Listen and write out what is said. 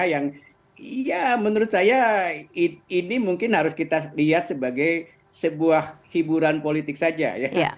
yang ya menurut saya ini mungkin harus kita lihat sebagai sebuah hiburan politik saja ya